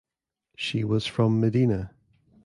She was from Medina.